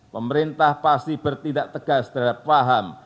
pemerintah pasti bertindak tegas terhadap paham